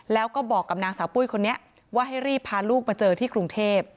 แล้วก็บอกกับนางสาวปุ้ยคนนี้ว่าให้รีบพาลูกมาเจอที่กรุงเทพ